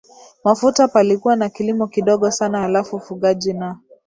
mafuta palikuwa na kilimo kidogo sana halafu ufugaji na